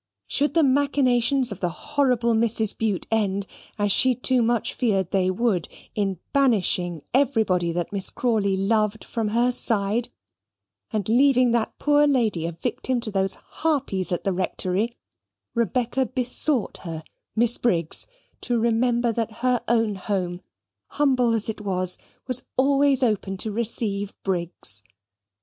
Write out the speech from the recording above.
Should the machinations of the horrible Mrs. Bute end, as she too much feared they would, in banishing everybody that Miss Crawley loved from her side, and leaving that poor lady a victim to those harpies at the Rectory, Rebecca besought her (Miss Briggs) to remember that her own home, humble as it was, was always open to receive Briggs.